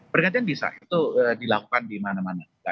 pergantian bisa itu dilakukan di mana mana